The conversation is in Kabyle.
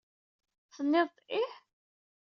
Tenniḍ-d ih?